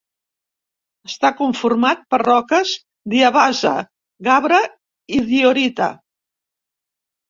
Està conformat per roques diabasa, gabre i diorita.